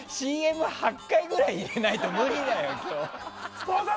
ＣＭ８回ぐらい入れないと無理だよ、今日。